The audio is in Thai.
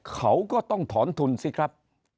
เขาก็ต้องถอนทุนสิครับ